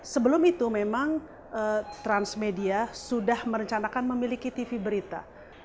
sebelum itu memang transmedia sudah merencanakan memiliki tv berita